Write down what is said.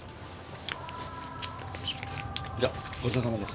じゃあごちそうさまです。